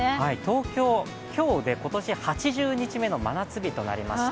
東京、今日で今年８０日目の真夏日となりました。